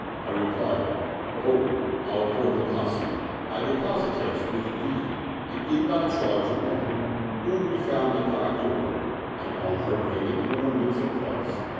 I replied, " O our lord the Kazi, I deposited with thee and in thy charge a woman whom we found at thy door, and on her raiment and ornaments of price.